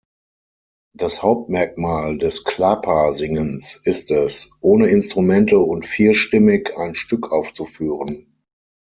Das Hauptmerkmal des Klapa-Singens ist es, ohne Instrumente und vierstimmig ein Stück aufzuführen.